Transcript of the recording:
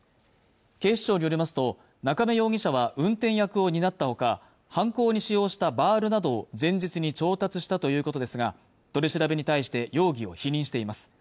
警視庁によりますと中明容疑者は運転役を担ったほか犯行に使用したバールなど前日に調達したということですが取り調べに対して容疑を否認しています